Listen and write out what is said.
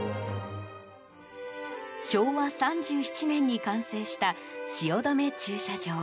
昭和３７年に完成した汐留駐車場。